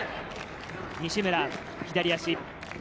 西村、左足。